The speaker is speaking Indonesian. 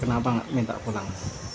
kenapa gak minta pulang